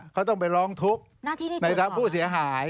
เขาต้องไปร้องทุกข์ในทางผู้เสียหาย